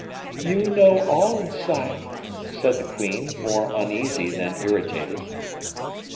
"You know all, sire," said the queen, more uneasy than irritated.